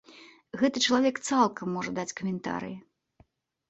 Гэты чалавек цалкам можа даць каментарый.